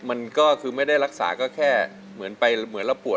มันก็คือไม่ได้รักษาก็แค่เหมือนไปแล้วปวด